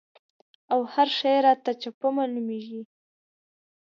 او هر شی راته چپه معلومېږي.